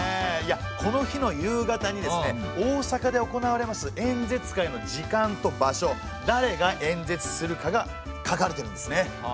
この日の夕方にですね大阪で行われます演説会の時間と場所だれが演説するかが書かれてるんですね。